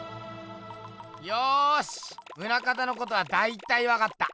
よし棟方のことはだいたいわかった。